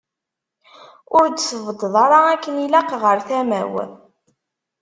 Ur d-tbeddeḍ ara akken ilaq ɣer tama-w.